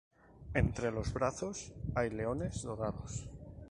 Entre los brazos hay leones dorados.